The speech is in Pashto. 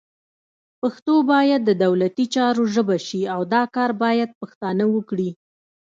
پښتو باید د دولتي چارو ژبه شي، او دا کار باید پښتانه وکړي